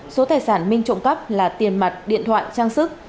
số tài sản minh trộm cắp là tiền mặt điện thoại trang sức